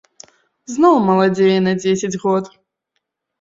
Зноў маладзее на дзесяць год.